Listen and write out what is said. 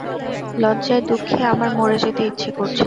লজ্জায় দুঃখে আমার মরে যেতে ইচ্ছে করছে।